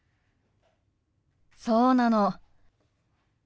そうなの。